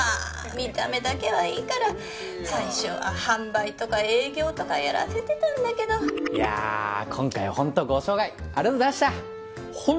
見た目だけはいいから最初は販売とか営業とかやらせてたんだけどいやあ今回ホントご紹介ありがとうございました